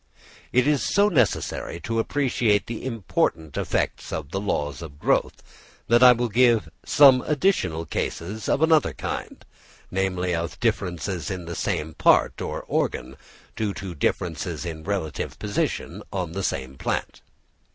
It is so necessary to appreciate the important effects of the laws of growth, that I will give some additional cases of another kind, namely of differences in the same part or organ, due to differences in relative position on the same plant.